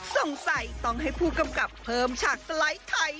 สงสัยต้องให้ผู้กำกับเพิ่มฉากสไลด์ไทย